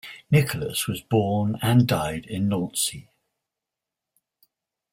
Nicholas was born and died in Nancy.